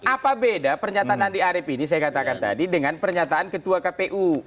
apa beda pernyataan andi arief ini saya katakan tadi dengan pernyataan ketua kpu